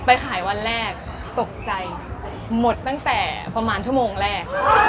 ไปขายวันแรกตกใจหมดตั้งแต่ประมาณชั่วโมงแรก